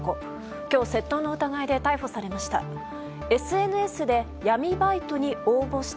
今日窃盗の疑いで逮捕されました。